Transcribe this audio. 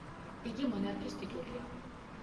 იგი მონარქის ტიტულია.